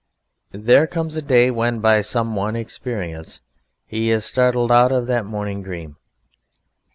There comes a day when by some one experience he is startled out of that morning dream.